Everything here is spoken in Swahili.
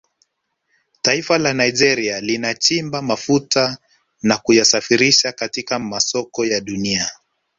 Taifa la Nigeria linachimba mafuta na kuyasafirisha katika masoko ya Dunia